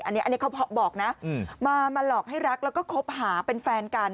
อันนี้เขาบอกนะมาหลอกให้รักแล้วก็คบหาเป็นแฟนกัน